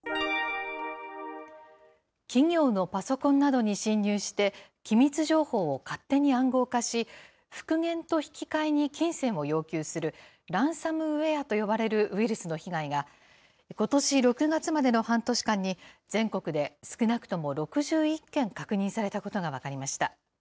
企業のパソコンなどに侵入して機密情報を勝手に暗号化し、復元と引き換えに金銭を要求する、ランサムウエアと呼ばれるウイルスの被害が、ことし６月までの半年間に全国で少なくとも６１件確認されたことが分かりました。